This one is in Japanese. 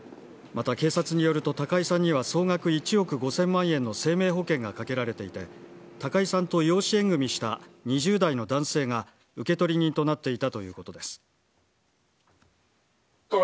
また警察によると、高井さんには総額１億５０００万円の生命保険がかけられていて、高井さんと養子縁組みした２０代の男性が受取人となっていたということです。